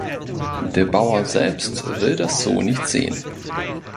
Der Bauer selbst will das so nicht sehen.